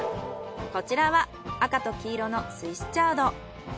こちらは赤と黄色のスイスチャード。